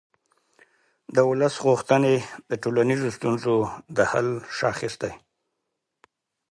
د ولس غوښتنې د ټولنیزو ستونزو د حل شاخص دی